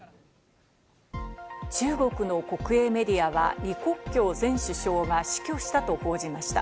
中国の国営メディアは、リ・コッキョウ前首相が死去したと報じました。